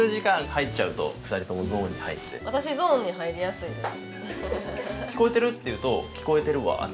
私ゾーンに入りやすいんです。